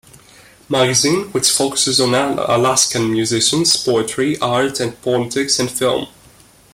Magazine, which focuses on Alaskan musicians, poetry, art, politics and film.